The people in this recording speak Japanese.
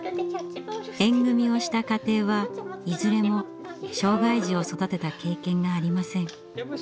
縁組をした家庭はいずれも障害児を育てた経験がありません。